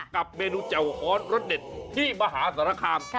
กับเมนูแจ่วฮอนรสเด็ดที่มหาสารคาม